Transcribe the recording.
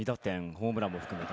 ホームランも含めて